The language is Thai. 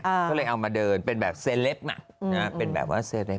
ก็เลยเอามาเดินเป็นแบบเซเลปเป็นแบบว่าเซเลป